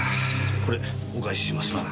これお返しします。